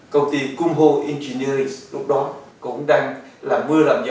công ty kumho engineering lúc đó cũng đang làm mưa làm gió